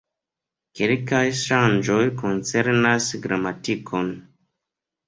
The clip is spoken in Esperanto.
Kelkaj ŝanĝoj koncernas gramatikon.